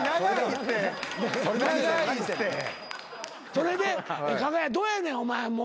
それでかが屋どうやねんお前。